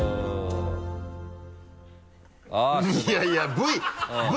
いやいやＶ